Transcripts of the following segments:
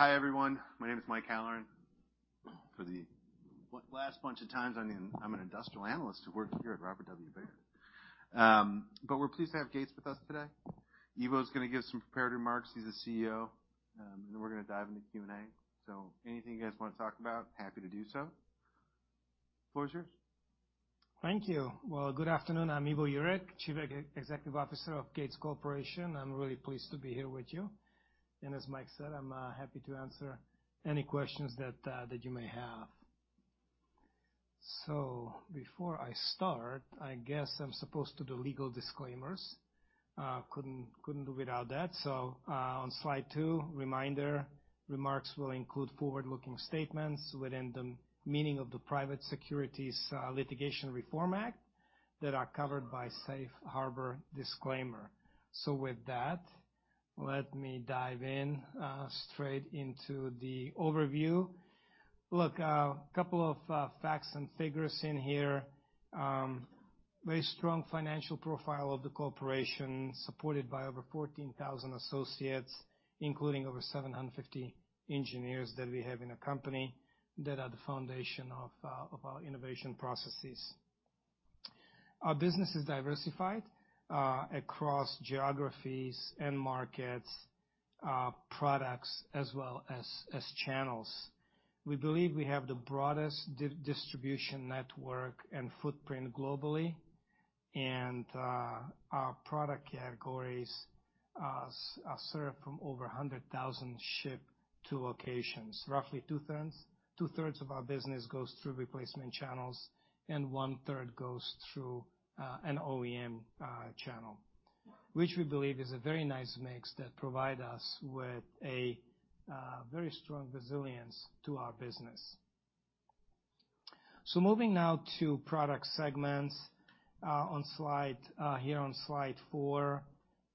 Hi, everyone. My name is Mike Halloran. For the last bunch of times, I'm an industrial analyst who worked here at Robert W. Baird. We are pleased to have Gates with us today. Ivo's going to give some prepared remarks. He's the CEO. We are going to dive into Q&A. Anything you guys want to talk about, happy to do so. Floor is yours. Thank you. Good afternoon. I'm Ivo Jurek, Chief Executive Officer of Gates Corporation. I'm really pleased to be here with you. As Mike said, I'm happy to answer any questions that you may have. Before I start, I guess I'm supposed to do legal disclaimers. Could not do without that. On slide two, reminder, remarks will include forward-looking statements within the meaning of the Private Securities Litigation Reform Act that are covered by Safe Harbor Disclaimer. With that, let me dive straight into the overview. Look, a couple of facts and figures in here. Very strong financial profile of the corporation, supported by over 14,000 associates, including over 750 engineers that we have in the company that are the foundation of our innovation processes. Our business is diversified across geographies and markets, products, as well as channels. We believe we have the broadest distribution network and footprint globally. Our product categories serve from over 100,000 ship-to locations. Roughly two-thirds of our business goes through replacement channels, and one-third goes through an OEM channel, which we believe is a very nice mix that provides us with a very strong resilience to our business. Moving now to product segments here on slide four.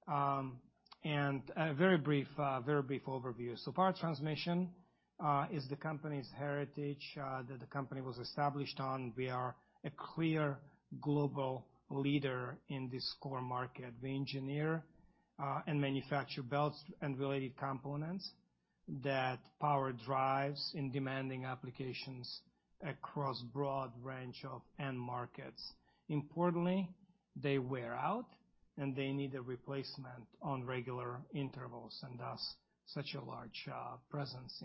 A very brief overview. Power transmission is the company's heritage that the company was established on. We are a clear global leader in this core market. We engineer and manufacture belts and related components that power drives in demanding applications across a broad range of end markets. Importantly, they wear out, and they need a replacement on regular intervals, and thus such a large presence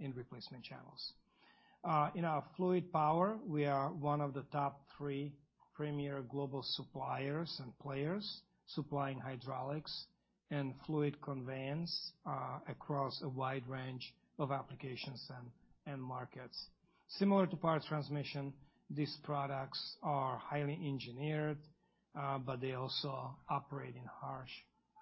in replacement channels. In our fluid power, we are one of the top three premier global suppliers and players supplying hydraulics and fluid conveyance across a wide range of applications and markets. Similar to power transmission, these products are highly engineered, but they also operate in harsh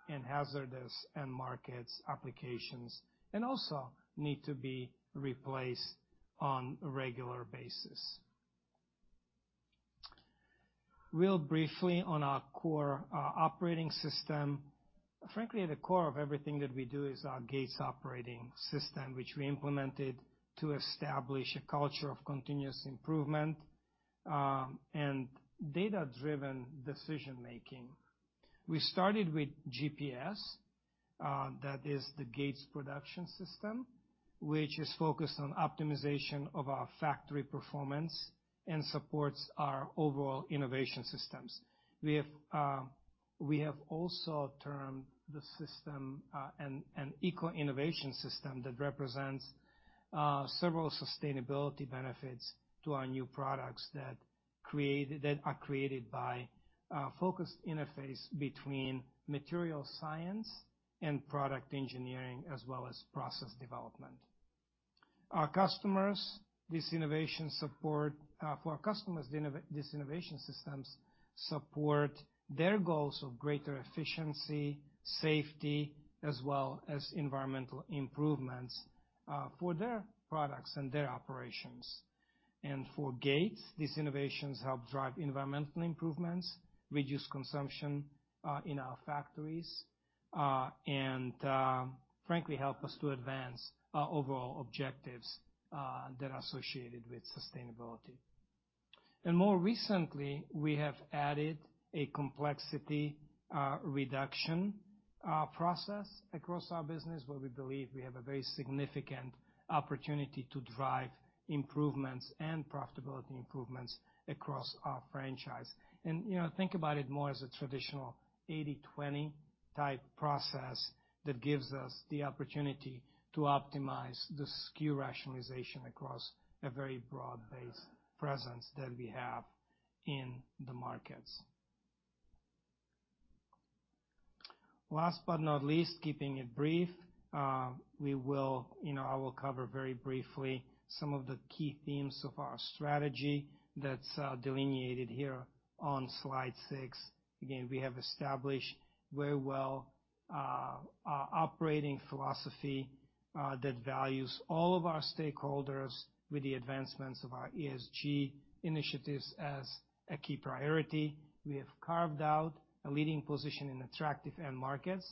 and hazardous end markets, applications, and also need to be replaced on a regular basis. Real briefly on our core operating system. Frankly, at the core of everything that we do is our Gates operating system, which we implemented to establish a culture of continuous improvement and data-driven decision-making. We started with GPS, that is the Gates Production System, which is focused on optimization of our factory performance and supports our overall innovation systems. We have also termed the system an eco-innovation system that represents several sustainability benefits to our new products that are created by a focused interface between material science and product engineering, as well as process development. Our customers, this innovation support for our customers, these innovation systems support their goals of greater efficiency, safety, as well as environmental improvements for their products and their operations. For Gates, these innovations help drive environmental improvements, reduce consumption in our factories, and frankly, help us to advance our overall objectives that are associated with sustainability. More recently, we have added a complexity reduction process across our business, where we believe we have a very significant opportunity to drive improvements and profitability improvements across our franchise. Think about it more as a traditional 80/20 type process that gives us the opportunity to optimize the SKU rationalization across a very broad-based presence that we have in the markets. Last but not least, keeping it brief, I will cover very briefly some of the key themes of our strategy that is delineated here on slide six. Again, we have established very well our operating philosophy that values all of our stakeholders with the advancements of our ESG initiatives as a key priority. We have carved out a leading position in attractive end markets,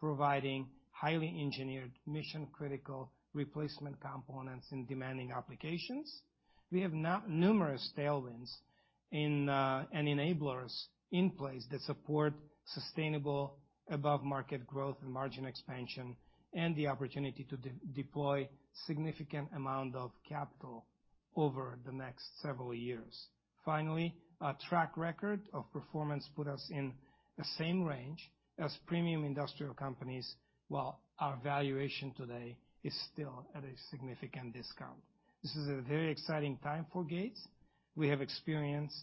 providing highly engineered, mission-critical replacement components in demanding applications. We have numerous tailwinds and enablers in place that support sustainable above-market growth and margin expansion and the opportunity to deploy a significant amount of capital over the next several years. Finally, our track record of performance put us in the same range as premium industrial companies, while our valuation today is still at a significant discount. This is a very exciting time for Gates. We have experienced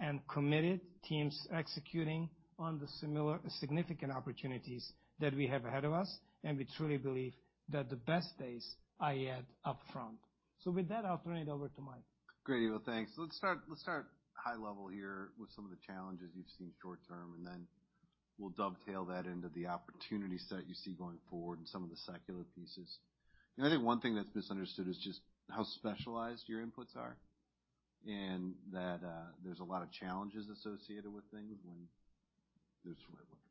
and committed teams executing on the similar significant opportunities that we have ahead of us. We truly believe that the best days are yet up front. With that, I'll turn it over to Mike. Great, Ivo. Thanks. Let's start high level here with some of the challenges you've seen short term, and then we'll dovetail that into the opportunity set you see going forward and some of the secular pieces. I think one thing that's misunderstood is just how specialized your inputs are and that there's a lot of challenges associated with things when there's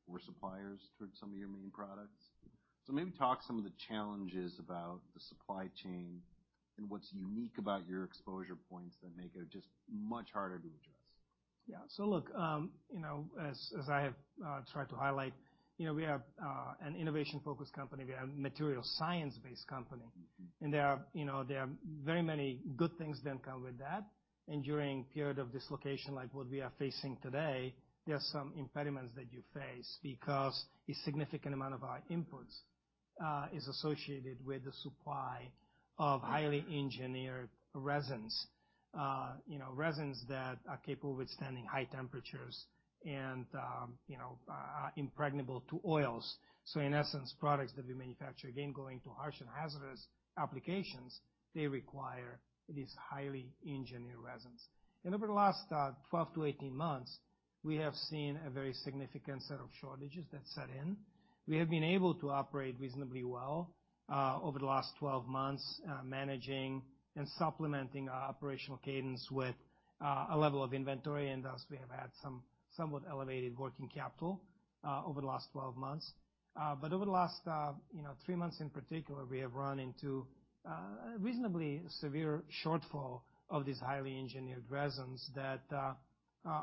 poor suppliers towards some of your main products. Maybe talk some of the challenges about the supply chain and what's unique about your exposure points that make it just much harder to address. Yeah. Look, as I have tried to highlight, we are an innovation-focused company. We are a material science-based company. There are very many good things that come with that. During a period of dislocation like what we are facing today, there are some impediments that you face because a significant amount of our inputs is associated with the supply of highly engineered resins, resins that are capable of withstanding high temperatures and are impregnable to oils. In essence, products that we manufacture, again, going to harsh and hazardous applications, they require these highly engineered resins. Over the last 12 to 18 months, we have seen a very significant set of shortages that set in. We have been able to operate reasonably well over the last 12 months, managing and supplementing our operational cadence with a level of inventory. Thus, we have had some somewhat elevated working capital over the last 12 months. Over the last three months in particular, we have run into a reasonably severe shortfall of these highly engineered resins that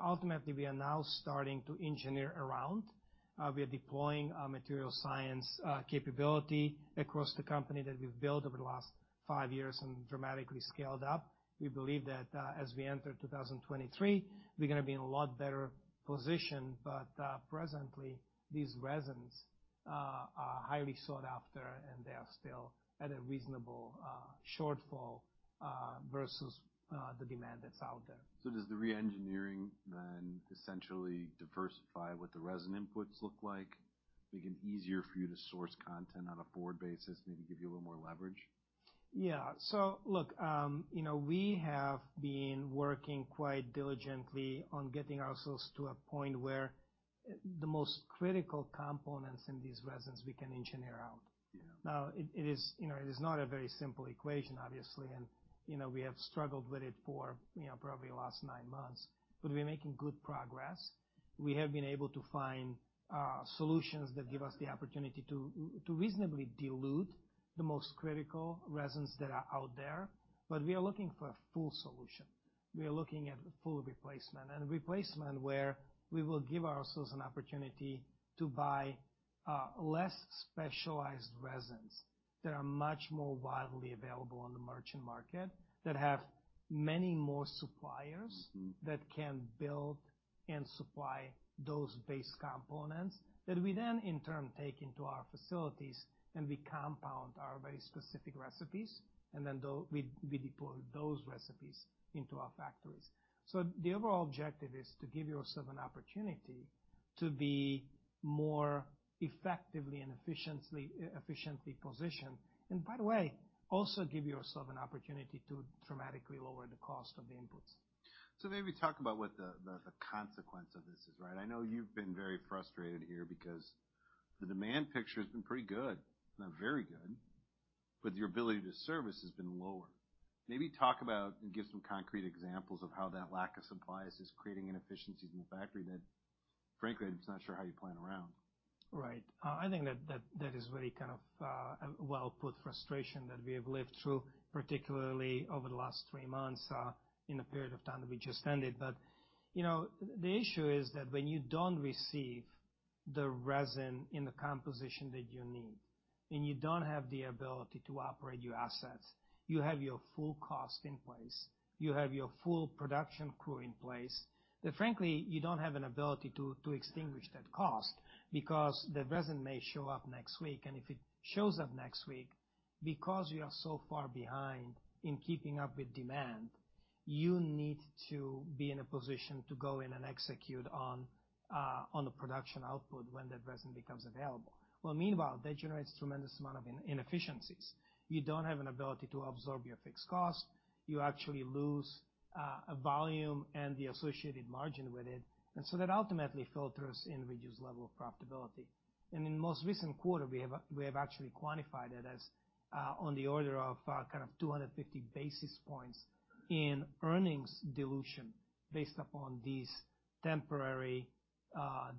ultimately we are now starting to engineer around. We are deploying our material science capability across the company that we've built over the last five years and dramatically scaled up. We believe that as we enter 2023, we're going to be in a lot better position. Presently, these resins are highly sought after, and they are still at a reasonable shortfall versus the demand that's out there. Does the re-engineering then essentially diversify what the resin inputs look like, make it easier for you to source content on a forward basis, maybe give you a little more leverage? Yeah. Look, we have been working quite diligently on getting ourselves to a point where the most critical components in these resins we can engineer out. It is not a very simple equation, obviously. We have struggled with it for probably the last nine months. We are making good progress. We have been able to find solutions that give us the opportunity to reasonably dilute the most critical resins that are out there. We are looking for a full solution. We are looking at full replacement. Replacement where we will give ourselves an opportunity to buy less specialized resins that are much more widely available on the merchant market, that have many more suppliers that can build and supply those base components that we then, in turn, take into our facilities and we compound our very specific recipes. We deploy those recipes into our factories. The overall objective is to give yourself an opportunity to be more effectively and efficiently positioned. By the way, also give yourself an opportunity to dramatically lower the cost of the inputs. Maybe talk about what the consequence of this is, right? I know you've been very frustrated here because the demand picture has been pretty good, very good, but your ability to service has been lower. Maybe talk about and give some concrete examples of how that lack of supplies is creating inefficiencies in the factory that, frankly, I'm just not sure how you plan around. Right. I think that is really kind of a well-put frustration that we have lived through, particularly over the last three months in the period of time that we just ended. The issue is that when you do not receive the resin in the composition that you need and you do not have the ability to operate your assets, you have your full cost in place. You have your full production crew in place. Frankly, you do not have an ability to extinguish that cost because the resin may show up next week. If it shows up next week, because you are so far behind in keeping up with demand, you need to be in a position to go in and execute on the production output when that resin becomes available. Meanwhile, that generates a tremendous amount of inefficiencies. You do not have an ability to absorb your fixed cost. You actually lose volume and the associated margin with it. That ultimately filters in reduced level of profitability. In the most recent quarter, we have actually quantified it as on the order of kind of 250 basis points in earnings dilution based upon these temporary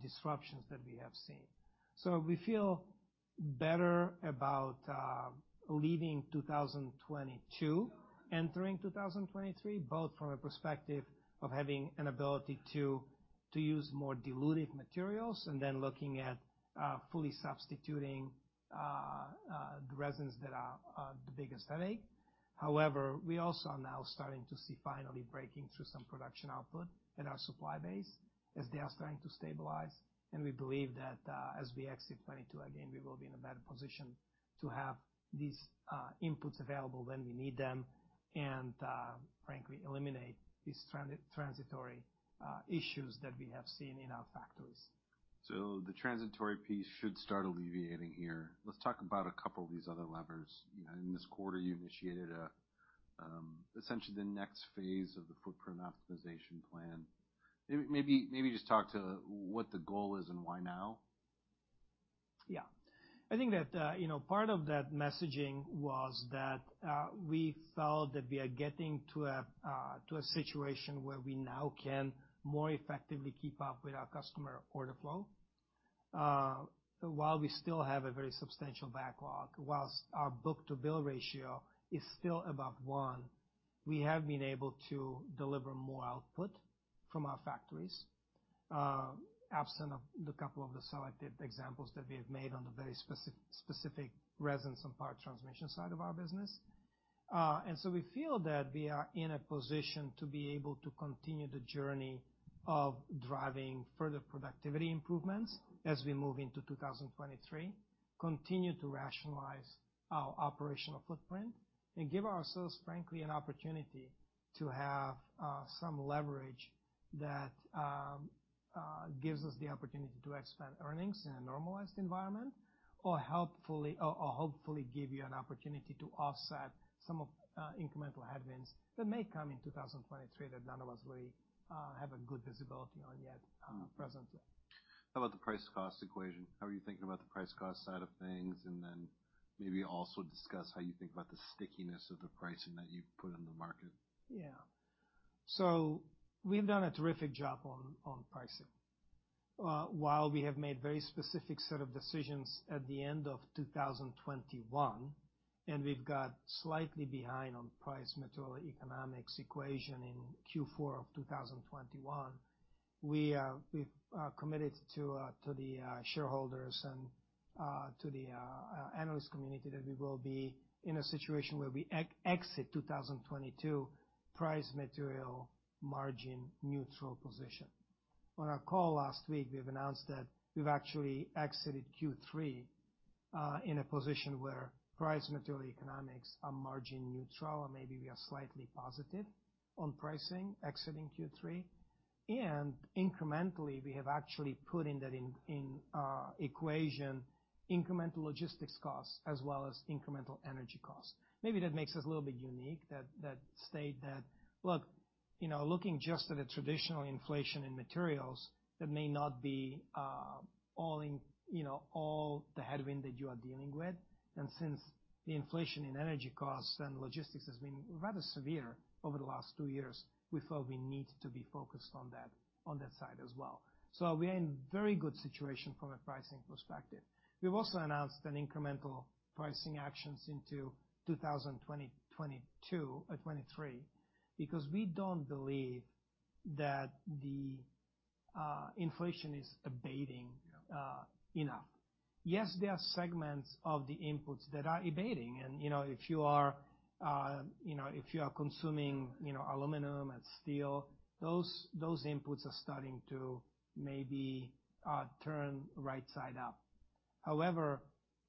disruptions that we have seen. We feel better about leaving 2022, entering 2023, both from a perspective of having an ability to use more diluted materials and then looking at fully substituting the resins that are the biggest headache. However, we also are now starting to see finally breaking through some production output at our supply base as they are starting to stabilize. We believe that as we exit 2022, again, we will be in a better position to have these inputs available when we need them and, frankly, eliminate these transitory issues that we have seen in our factories. The transitory piece should start alleviating here. Let's talk about a couple of these other levers. In this quarter, you initiated essentially the next phase of the footprint optimization plan. Maybe just talk to what the goal is and why now. Yeah. I think that part of that messaging was that we felt that we are getting to a situation where we now can more effectively keep up with our customer order flow. While we still have a very substantial backlog, whilst our book-to-bill ratio is still above one, we have been able to deliver more output from our factories, absent the couple of the selected examples that we have made on the very specific resins and parts transmission side of our business. We feel that we are in a position to be able to continue the journey of driving further productivity improvements as we move into 2023, continue to rationalize our operational footprint, and give ourselves, frankly, an opportunity to have some leverage that gives us the opportunity to expand earnings in a normalized environment or hopefully give you an opportunity to offset some of the incremental headwinds that may come in 2023 that none of us really have a good visibility on yet presently. How about the price-cost equation? How are you thinking about the price-cost side of things? Maybe also discuss how you think about the stickiness of the pricing that you've put in the market. Yeah. We have done a terrific job on pricing. While we have made a very specific set of decisions at the end of 2021, and we got slightly behind on the price material economics equation in Q4 of 2021, we have committed to the shareholders and to the analyst community that we will be in a situation where we exit 2022 in a price material margin neutral position. On our call last week, we announced that we actually exited Q3 in a position where price material economics are margin neutral, or maybe we are slightly positive on pricing exiting Q3. Incrementally, we have actually put in that equation incremental logistics costs as well as incremental energy costs. Maybe that makes us a little bit unique, that state that, look, looking just at a traditional inflation in materials, that may not be all the headwind that you are dealing with. Since the inflation in energy costs and logistics has been rather severe over the last two years, we felt we need to be focused on that side as well. We are in a very good situation from a pricing perspective. We've also announced incremental pricing actions into 2022 or 2023 because we don't believe that the inflation is abating enough. Yes, there are segments of the inputs that are abating. If you are consuming aluminum and steel, those inputs are starting to maybe turn right side up. However,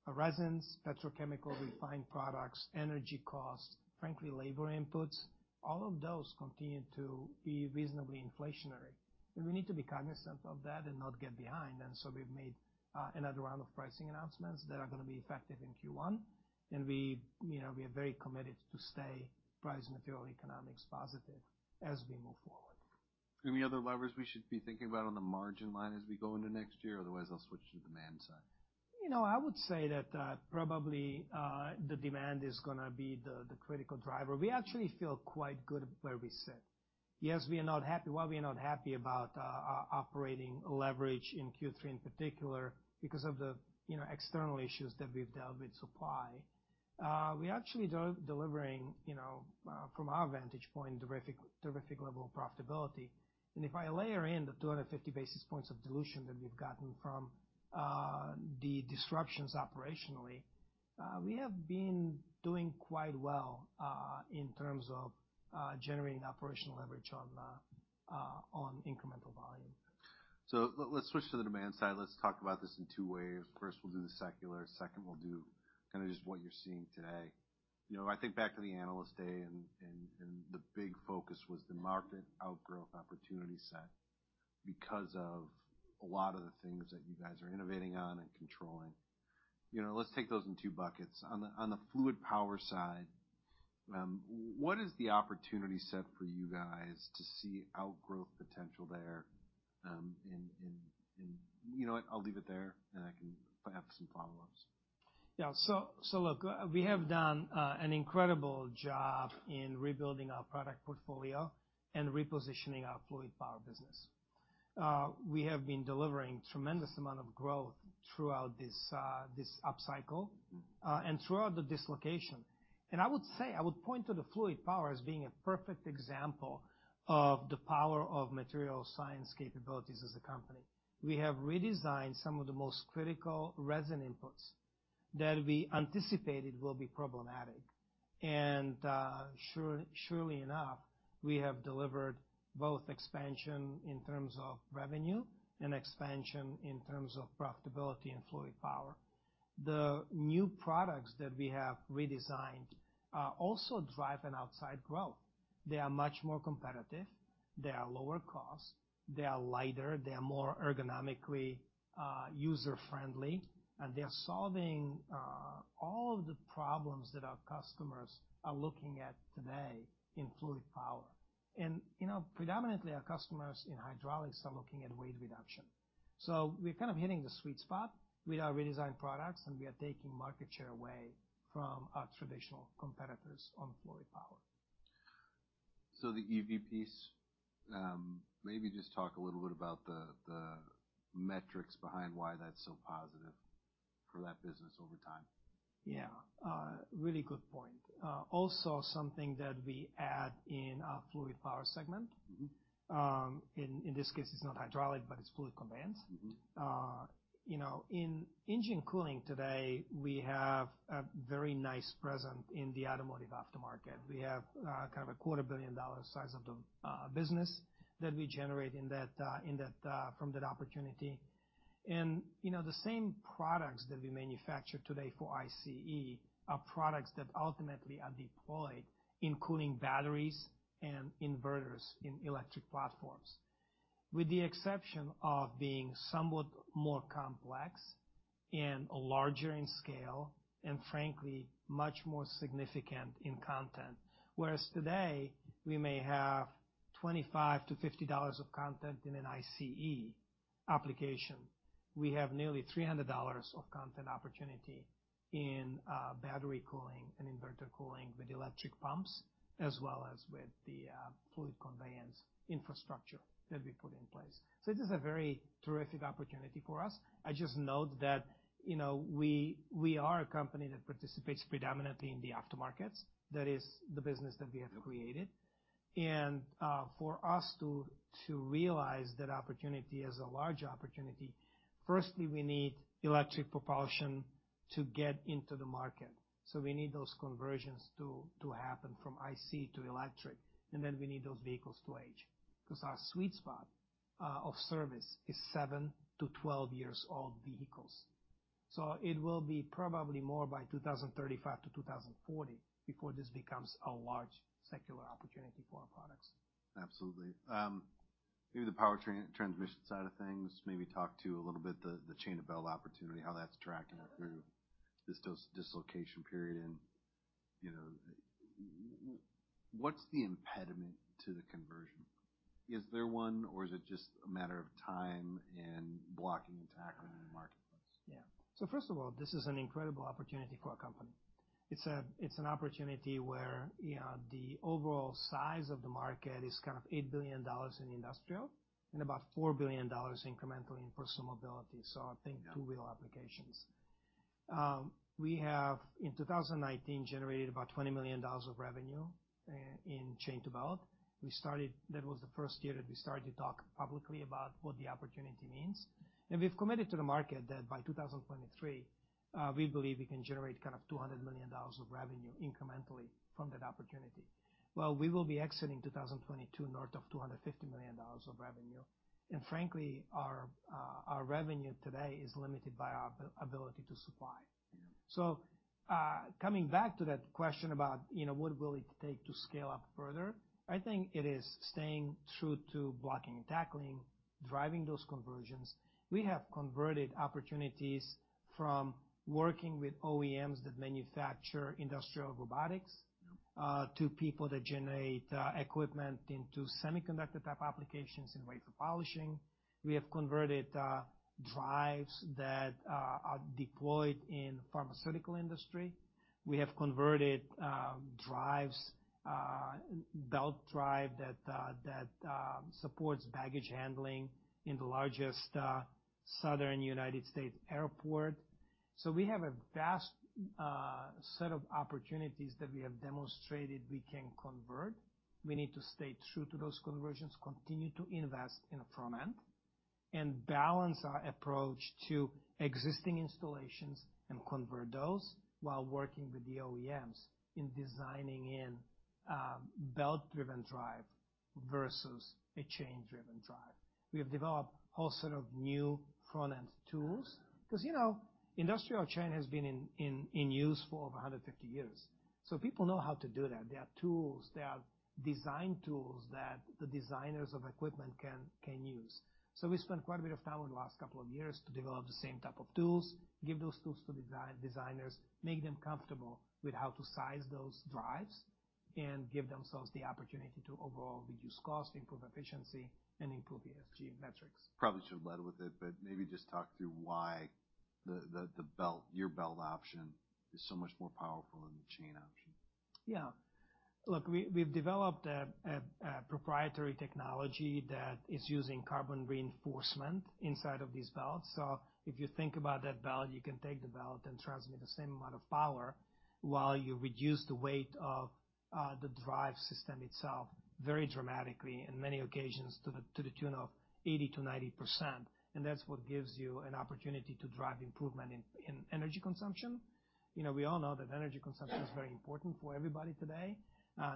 resins, petrochemical refined products, energy costs, frankly, labor inputs, all of those continue to be reasonably inflationary. We need to be cognizant of that and not get behind. We have made another round of pricing announcements that are going to be effective in Q1. We are very committed to stay price material economics positive as we move forward. Any other levers we should be thinking about on the margin line as we go into next year? Otherwise, I'll switch to the demand side. I would say that probably the demand is going to be the critical driver. We actually feel quite good where we sit. Yes, we are not happy. Why we are not happy about operating leverage in Q3 in particular is because of the external issues that we've dealt with supply. We actually are delivering from our vantage point, the terrific level of profitability. If I layer in the 250 basis points of dilution that we've gotten from the disruptions operationally, we have been doing quite well in terms of generating operational leverage on incremental volume. Let's switch to the demand side. Let's talk about this in two ways. First, we'll do the secular. Second, we'll do kind of just what you're seeing today. I think back to the analyst day and the big focus was the market outgrowth opportunity set because of a lot of the things that you guys are innovating on and controlling. Let's take those in two buckets. On the fluid power side, what is the opportunity set for you guys to see outgrowth potential there? I'll leave it there, and I can have some follow-ups. Yeah. Look, we have done an incredible job in rebuilding our product portfolio and repositioning our fluid power business. We have been delivering a tremendous amount of growth throughout this upcycle and throughout the dislocation. I would say I would point to the fluid power as being a perfect example of the power of material science capabilities as a company. We have redesigned some of the most critical resin inputs that we anticipated will be problematic. Surely enough, we have delivered both expansion in terms of revenue and expansion in terms of profitability in fluid power. The new products that we have redesigned also drive an outside growth. They are much more competitive. They are lower cost. They are lighter. They are more ergonomically user-friendly. They are solving all of the problems that our customers are looking at today in fluid power. Predominantly, our customers in hydraulics are looking at weight reduction. We are kind of hitting the sweet spot with our redesigned products, and we are taking market share away from our traditional competitors on fluid power. The EV piece, maybe just talk a little bit about the metrics behind why that's so positive for that business over time. Yeah. Really good point. Also, something that we add in our fluid power segment, in this case, it's not hydraulic, but it's fluid conveyance. In engine cooling today, we have a very nice present in the automotive aftermarket. We have kind of a quarter billion dollar size of the business that we generate from that opportunity. The same products that we manufacture today for ICE are products that ultimately are deployed in cooling batteries and inverters in electric platforms, with the exception of being somewhat more complex and larger in scale and, frankly, much more significant in content. Whereas today, we may have $25-$50 of content in an ICE application. We have nearly $300 of content opportunity in battery cooling and inverter cooling with electric pumps as well as with the fluid conveyance infrastructure that we put in place. This is a very terrific opportunity for us. I just note that we are a company that participates predominantly in the aftermarkets. That is the business that we have created. For us to realize that opportunity as a large opportunity, firstly, we need electric propulsion to get into the market. We need those conversions to happen from ICE to electric. We need those vehicles to age because our sweet spot of service is 7 to 12 years old vehicles. It will be probably more by 2035 to 2040 before this becomes a large secular opportunity for our products. Absolutely. Maybe the power transmission side of things, maybe talk to a little bit the chain to belt opportunity, how that's tracking through this dislocation period. What's the impediment to the conversion? Is there one, or is it just a matter of time and blocking and tackling in the marketplace? Yeah. First of all, this is an incredible opportunity for a company. It's an opportunity where the overall size of the market is kind of $8 billion in industrial and about $4 billion incrementally in personal mobility. I think two-wheel applications. We have, in 2019, generated about $20 million of revenue in chain to belt. That was the first year that we started to talk publicly about what the opportunity means. We've committed to the market that by 2023, we believe we can generate kind of $200 million of revenue incrementally from that opportunity. We will be exiting 2022 north of $250 million of revenue. Frankly, our revenue today is limited by our ability to supply. Coming back to that question about what it will take to scale up further, I think it is staying true to blocking and tackling, driving those conversions. We have converted opportunities from working with OEMs that manufacture industrial robotics to people that generate equipment into semiconductor-type applications in wafer polishing. We have converted drives that are deployed in the pharmaceutical industry. We have converted drives, belt drive that supports baggage handling in the largest Southern United States airport. We have a vast set of opportunities that we have demonstrated we can convert. We need to stay true to those conversions, continue to invest in front-end, and balance our approach to existing installations and convert those while working with the OEMs in designing in belt-driven drive versus a chain-driven drive. We have developed a whole set of new front-end tools because industrial chain has been in use for over 150 years. People know how to do that. There are tools. There are design tools that the designers of equipment can use. We spent quite a bit of time over the last couple of years to develop the same type of tools, give those tools to designers, make them comfortable with how to size those drives, and give themselves the opportunity to overall reduce cost, improve efficiency, and improve ESG metrics. Probably should have led with it, but maybe just talk through why your belt option is so much more powerful than the chain option. Yeah. Look, we've developed a proprietary technology that is using carbon reinforcement inside of these belts. If you think about that belt, you can take the belt and transmit the same amount of power while you reduce the weight of the drive system itself very dramatically in many occasions to the tune of 80-90%. That is what gives you an opportunity to drive improvement in energy consumption. We all know that energy consumption is very important for everybody today,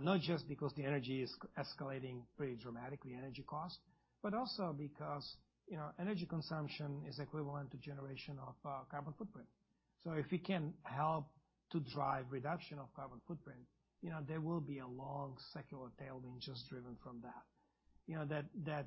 not just because the energy is escalating pretty dramatically, energy cost, but also because energy consumption is equivalent to generation of carbon footprint. If we can help to drive reduction of carbon footprint, there will be a long secular tailwind just driven from that.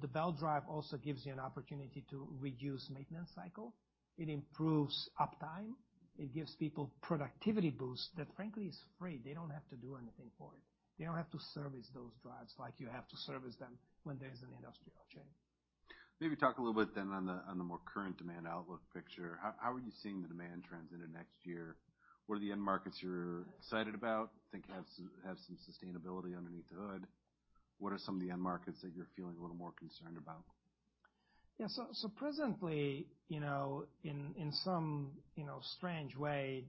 The belt drive also gives you an opportunity to reduce maintenance cycle. It improves uptime. It gives people productivity boosts that, frankly, is free. They do not have to do anything for it. They do not have to service those drives like you have to service them when there is an industrial chain. Maybe talk a little bit then on the more current demand outlook picture. How are you seeing the demand transition next year? What are the end markets you're excited about? Think have some sustainability underneath the hood. What are some of the end markets that you're feeling a little more concerned about? Yeah. Presently, in some strange way,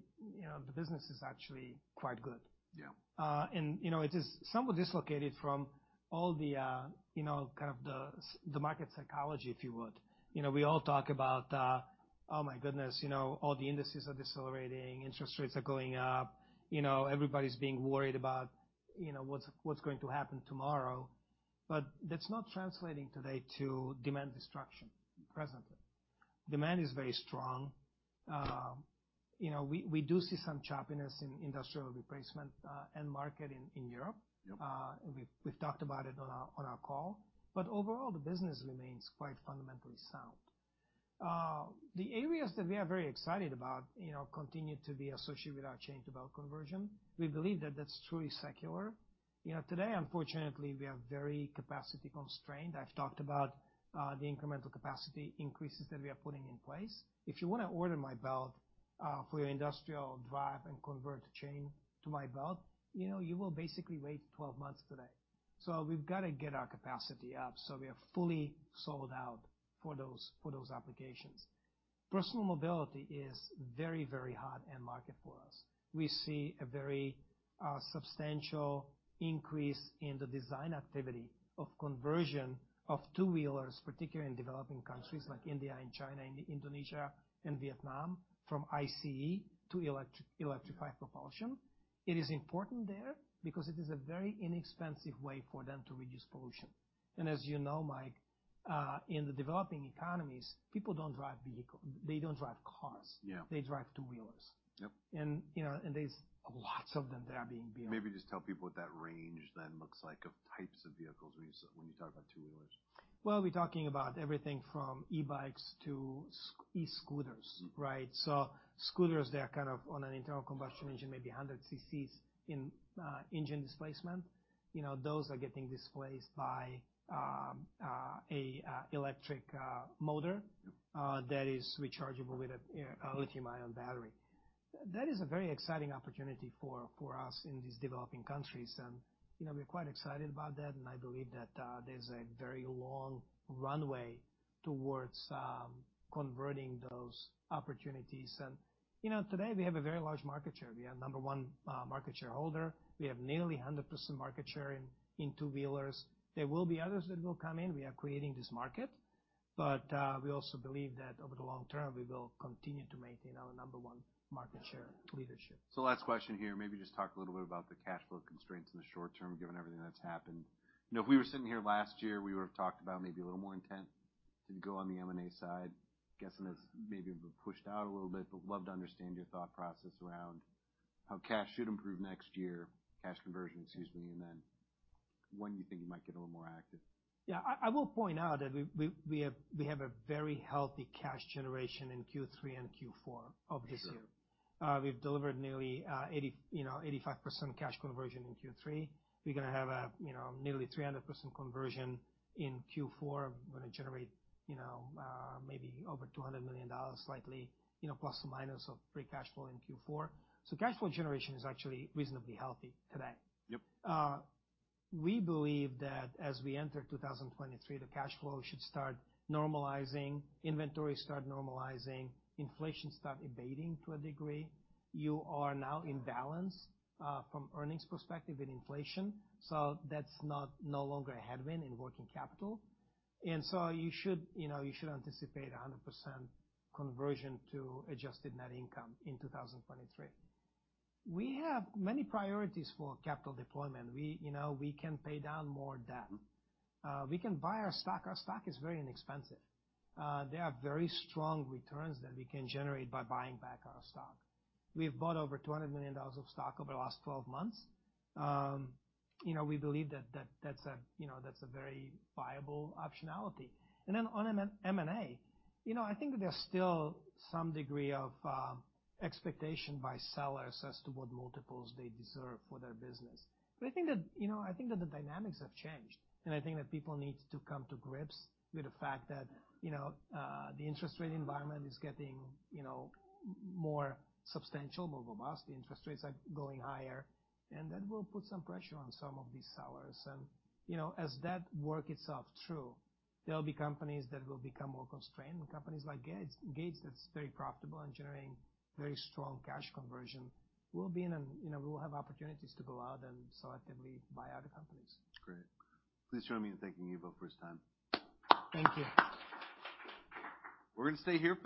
the business is actually quite good. It is somewhat dislocated from all the kind of the market psychology, if you would. We all talk about, "Oh my goodness, all the indices are decelerating. Interest rates are going up. Everybody's being worried about what's going to happen tomorrow." That's not translating today to demand destruction presently. Demand is very strong. We do see some choppiness in industrial replacement end market in Europe. We've talked about it on our call. Overall, the business remains quite fundamentally sound. The areas that we are very excited about continue to be associated with our chain to belt conversion. We believe that that's truly secular. Today, unfortunately, we are very capacity constrained. I've talked about the incremental capacity increases that we are putting in place. If you want to order my belt for your industrial drive and convert chain to my belt, you will basically wait 12 months today. We have got to get our capacity up so we are fully sold out for those applications. Personal mobility is very, very hot end market for us. We see a very substantial increase in the design activity of conversion of two-wheelers, particularly in developing countries like India and China and Indonesia and Vietnam, from ICE to electrified propulsion. It is important there because it is a very inexpensive way for them to reduce pollution. And as you know, Mike, in the developing economies, people do not drive vehicles. They do not drive cars. They drive two-wheelers. There are lots of them there being built. Maybe just tell people what that range then looks like of types of vehicles when you talk about two-wheelers. We're talking about everything from e-bikes to e-scooters, right? Scooters, they're kind of on an internal combustion engine, maybe 100 cc in engine displacement. Those are getting displaced by an electric motor that is rechargeable with a lithium-ion battery. That is a very exciting opportunity for us in these developing countries. We're quite excited about that. I believe that there's a very long runway towards converting those opportunities. Today, we have a very large market share. We are number one market shareholder. We have nearly 100% market share in two-wheelers. There will be others that will come in. We are creating this market. We also believe that over the long term, we will continue to maintain our number one market share leadership. Last question here. Maybe just talk a little bit about the cash flow constraints in the short term, given everything that's happened. If we were sitting here last year, we would have talked about maybe a little more intent to go on the M&A side. Guessing that's maybe been pushed out a little bit, but love to understand your thought process around how cash should improve next year, cash conversion, excuse me, and then when you think you might get a little more active. Yeah. I will point out that we have a very healthy cash generation in Q3 and Q4 of this year. We've delivered nearly 85% cash conversion in Q3. We're going to have nearly 300% conversion in Q4. We're going to generate maybe over $200 million slightly, plus or minus, of free cash flow in Q4. Cash flow generation is actually reasonably healthy today. We believe that as we enter 2023, the cash flow should start normalizing, inventory start normalizing, inflation start abating to a degree. You are now in balance from earnings perspective in inflation. That's no longer a headwind in working capital. You should anticipate 100% conversion to adjusted net income in 2023. We have many priorities for capital deployment. We can pay down more debt. We can buy our stock. Our stock is very inexpensive. There are very strong returns that we can generate by buying back our stock. We've bought over $200 million of stock over the last 12 months. We believe that that's a very viable optionality. On M&A, I think there's still some degree of expectation by sellers as to what multiples they deserve for their business. I think that the dynamics have changed. I think that people need to come to grips with the fact that the interest rate environment is getting more substantial, more robust. The interest rates are going higher. That will put some pressure on some of these sellers. As that works itself through, there will be companies that will become more constrained. Companies like Gates that are very profitable and generating very strong cash conversion will be in and we will have opportunities to go out and selectively buy other companies. Great. Please join me in thanking you both for your time. Thank you. We're going to stay here.